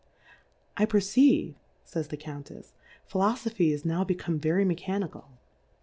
I perceive, fays the Cotmtefs^ Philofophy is now be come very Mechanical.